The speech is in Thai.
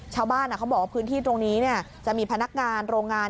ชาวบ้านเขาบอกว่าพื้นที่ตรงนี้จะมีพนักงานโรงงาน